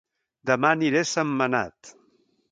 Dema aniré a Sentmenat